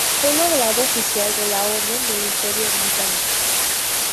Fue nombrado oficial de la Orden del Imperio Británico.